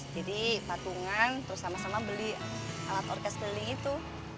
jadi patungan terus sama sama beli alat orkest keliling itu